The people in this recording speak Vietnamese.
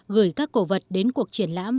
gửi các cổ vật đến cuộc triển lãm